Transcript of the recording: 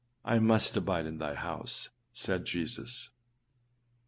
âI must abide in thy house,â said Jesus.